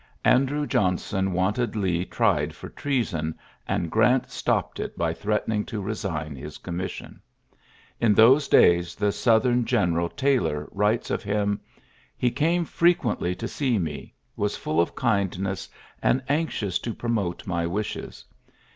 :ew Johnson wanted Lee tried for on, and Grant stopped it by threat ; to resign his commission. In those the Southern Greneral Taylor writes tn : "He came frequently to see me, iill of kindness, and anxious to pro my wishes.